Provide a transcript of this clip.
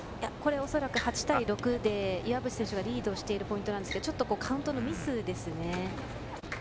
おそらく８対６で岩渕選手がリードしているんですけどちょっとカウントのミスですね。